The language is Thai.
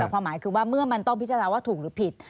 แต่ความหมายคือว่าเมื่อมันต้องพิจารณาว่าถูกหรือผิด